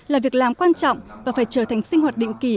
là việc làm quan trọng và phải trở thành sinh hoạt định kỳ